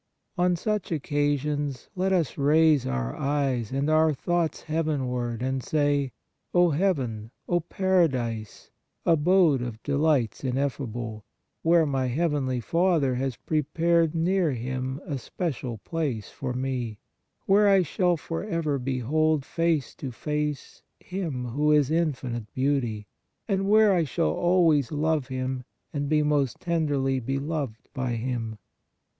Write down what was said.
On such occasions let us raise our eyes and our thoughts heavenward and say : O Heaven, O Para dise, Abode of delights ineffable ! where my heavenly Father has prepared near Him a special place for me; where I shall forever behold face to face Him, who is infinite Beauty, and where I shall always love Him and be most tenderly beloved by Him.